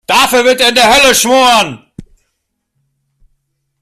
Dafür wird er in der Hölle schmoren.